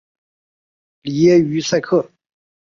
里耶于塞克。